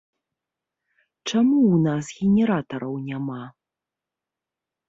Чаму ў нас генератараў няма?